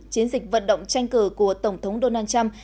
chiến dịch vận động tranh cử của tổng thống donald trump